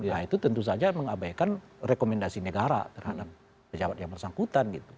nah itu tentu saja mengabaikan rekomendasi negara terhadap pejabat yang bersangkutan gitu